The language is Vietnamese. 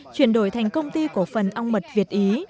chuyển đổi thành công ty cổ phần ong mật việt ý